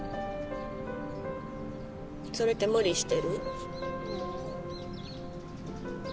それって無理してる？